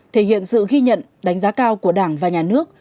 thể hiện sự ghi nhận đánh giá cao của đảng và nhà nước